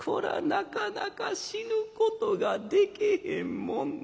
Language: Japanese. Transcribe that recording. なかなか死ぬことがでけへんもんでおます。